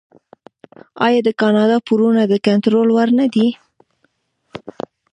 آیا د کاناډا پورونه د کنټرول وړ نه دي؟